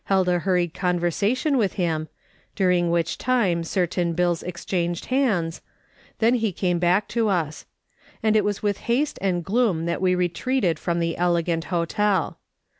'ld a hurried conversation with him, during which time certain bills exchanged hands, then he came back to us. And it was with haste and gloom that we retreated from the elegant hotel.